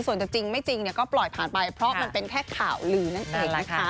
ส่วนจะจริงไม่จริงก็ปล่อยผ่านไปเพราะมันเป็นแค่ข่าวลือนั่นเองนะคะ